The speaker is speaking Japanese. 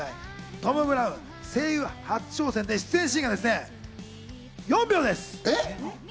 トム・ブラウン、声優初挑戦で出演シーンがですね、４秒です！